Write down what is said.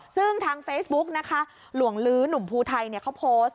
ซึ่งทางเฟซบุ๊กนะคะหลวงลื้อหนุ่มภูไทยเขาโพสต์